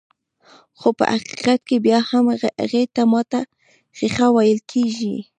خو په حقيقت کې بيا هم هغې ته ماته ښيښه ويل کيږي.